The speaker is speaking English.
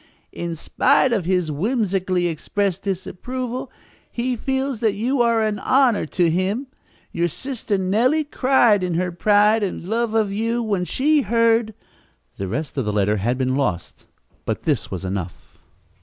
In spite of his whimsically expressed disapproval, he feels that you are an honor to him. Your sister Nellie cried in her pride and love of you when she heard '" The rest of the letter had been lost, but this was enough.